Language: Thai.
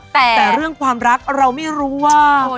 แต่เรื่องความรักเราไม่รู้ว่า